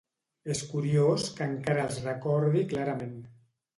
És curiós que encara els recordi clarament.